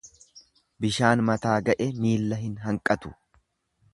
Bishaan mataa ga'e miilla hin hanqatu.